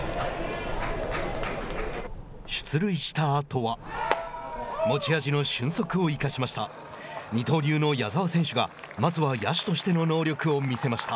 出塁したあとは持ち味の俊足を生かしました。